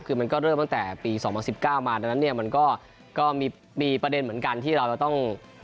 คือมันก็เริ่มตั้งแต่ปี๒๐๑๙มาดังนั้นเนี่ยมันก็มีประเด็นเหมือนกันที่เราจะต้อง